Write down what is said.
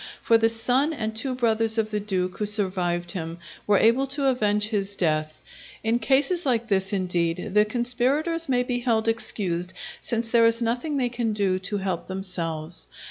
For the son and two brothers of the Duke, who survived him, were able to avenge his death. In cases like this, indeed, the conspirators may be held excused, since there is nothing they can do to help themselves.